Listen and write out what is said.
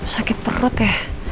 sakit perut ya